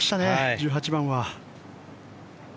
１８番は。